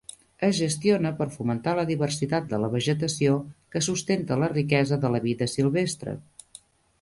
Es gestiona per fomentar la diversitat de la vegetació que sustenta la riquesa de la vida silvestre.